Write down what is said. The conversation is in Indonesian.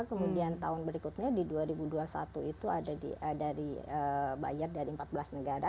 kemudian tahun berikutnya di dua ribu dua puluh satu itu ada bayar dari empat belas negara